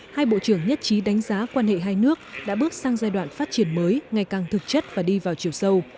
hai bộ trưởng nhất trí đánh giá quan hệ hai nước đã bước sang giai đoạn phát triển mới ngày càng thực chất và đi vào chiều sâu